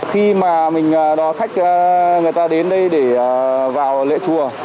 khi mà mình đón khách người ta đến đây để vào lễ chùa